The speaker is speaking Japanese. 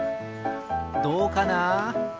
どうかな？